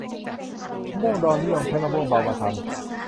มะม่วงดอง นิยมใช้มะม่วงเบามาทำ